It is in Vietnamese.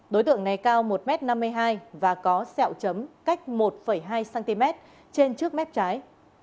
đối tượng này cao một m năm mươi hai và có sẹo chấm cách một hai cm trên trước mép trái